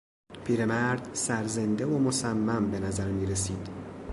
پیرمرد، سرزنده و مصمم به نظر میرسید.